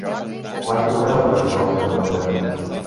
Quant cobrava habitualment l'empleat?